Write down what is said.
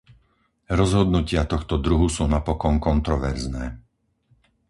Rozhodnutia tohto druhu sú napokon kontroverzné.